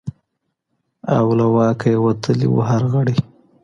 او له واکه یې وتلی وو هر غړی